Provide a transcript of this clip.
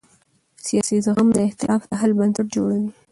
سیاسي زغم د اختلاف د حل بنسټ جوړوي